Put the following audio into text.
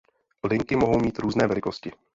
Linky mohou mít různé velikosti.